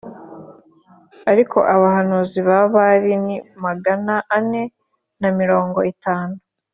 ariko abahanuzi ba Bāli ni magana ane na mirongo itanu